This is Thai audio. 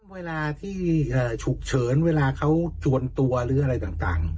เวลาที่ฉุกเฉินเวลาเขาจวนตัวหรืออะไรต่าง